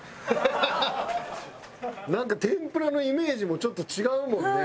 なんか天ぷらのイメージもちょっと違うもんね。